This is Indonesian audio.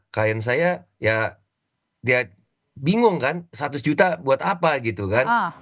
klien saya ya dia bingung kan seratus juta buat apa gitu kan